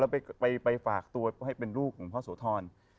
แล้วไปฝากตัวให้เป็นลูกของพ่อโสธร